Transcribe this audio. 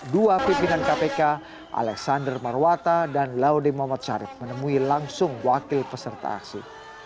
dua pimpinan kpk alexander marwata dan laude muhammad syarif menemui langsung wakil peserta aksi